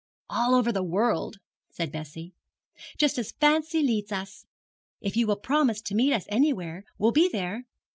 'All over the world,' said Bessie; 'just as fancy leads us. If you will promise to meet us anywhere, we'll be there.'